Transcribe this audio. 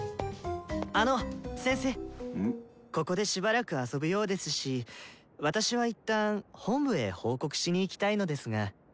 ここでしばらく遊ぶようですし私は一旦本部へ報告しに行きたいのですが。